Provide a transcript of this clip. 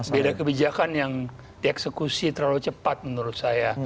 beda kebijakan yang dieksekusi terlalu cepat menurut saya